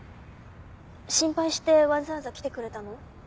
心配してわざわざ来てくれたの？